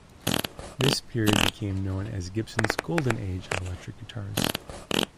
This period became known as Gibson's golden age of electric guitars.